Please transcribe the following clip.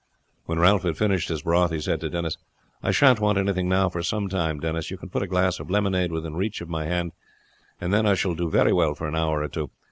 When Ralph had finished his broth he said to Denis, "I shan't want anything now for some time, Denis. You can put a glass of lemonade within reach of my hand, and then I shall do very well for an hour or two.